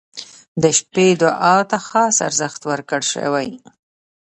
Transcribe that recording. • د شپې دعا ته خاص ارزښت ورکړل شوی.